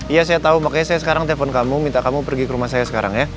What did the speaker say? iya saya tahu makanya saya sekarang telpon kamu minta kamu pergi ke rumah saya sekarang ya